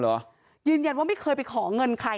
แล้วมันกลายเป็นข่าว